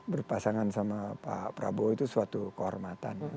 berpasangan sama pak prabowo itu suatu kehormatan